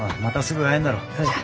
そうじゃ。